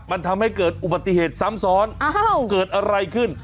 มันทำให้เกิดอุบัติเหตุซ้ำซ้อนเกิดอะไรขึ้น